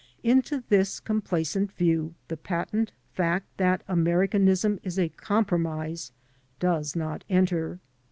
Into this complacent view the patent fact that Americanism is a compromise does not enter.